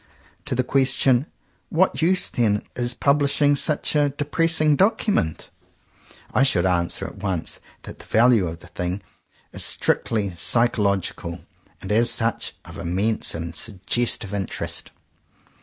To the question "what use then in pub lishing such a depressing document?" I should answer at once that the value of the thing is strictly psychological, and, as such, of immense and suggestive interest.